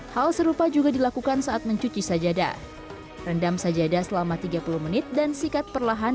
hal serupa juga dilakukan saat mencuci sajadah rendam sajadah selama tiga puluh menit dan sikat perlahan